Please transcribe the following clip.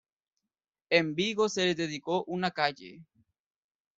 En Vigo se le dedicó una calle.